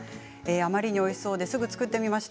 あまりにおいしそうですぐに作ってみました。